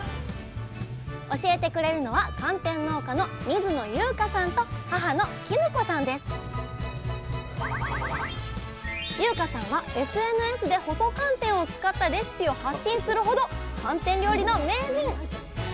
教えてくれるのは優夏さんはＳＮＳで細寒天を使ったレシピを発信するほど寒天料理の名人！